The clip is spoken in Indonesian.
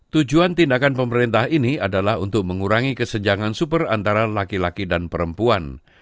tujuan tindakan pemerintah ini adalah untuk mengurangi kesenjangan super antara laki laki dan perempuan